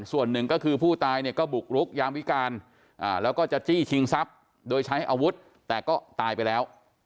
ส่วนหนึ่งก็คือผู้ตายเนี่ยก็บุกรุกยามวิการแล้วก็จะจี้ชิงทรัพย์โดยใช้อาวุธแต่ก็ตายไปแล้ว